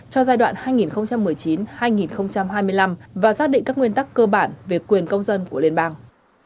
cho giai đoạn hai nghìn một mươi chín hai nghìn hai mươi năm và xác định các nguyên tắc cơ bản về quyền công dân của liên bang